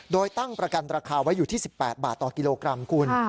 โดยตั้งประกันราคาไว้อยู่ที่๑๘บาทต่อกิโลกรัมคุณ